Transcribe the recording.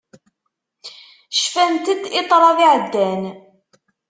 Cfant-d i ṭṭrad iɛeddan.